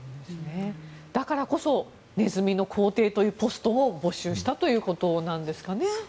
だからこそネズミの皇帝というポストを募集したということなんですかね。